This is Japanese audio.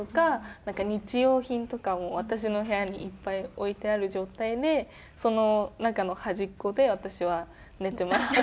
なんか日用品とかも私の部屋にいっぱい置いてある状態でその中の端っこで私は寝てました。